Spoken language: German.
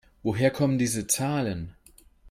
Woher kommen diese Zahlen?